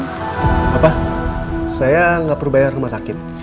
apa saya gak perlu bayar rumah sakit